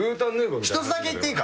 １つだけ言っていいか？